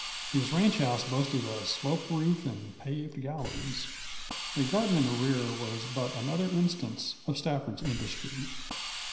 His ranchhouse boasted a sloped roof and paved galleries. A garden in the rear was but another instance of Stafford's industry.